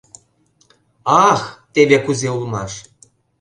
Ах, теве кузе улмаш!